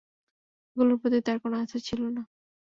এগুলোর প্রতি তার কোন আস্থা ছিল না।